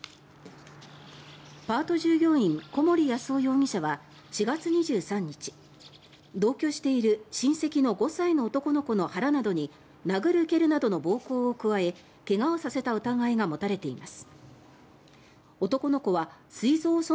パート従業員小森安男容疑者は４月２３日同居している５歳の親戚の男の子の腹などに殴る蹴るなどの暴行を加え怪我をさせた疑いが持たれています。